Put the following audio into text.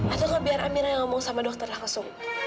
atau biar amira yang ngomong sama dokter langsung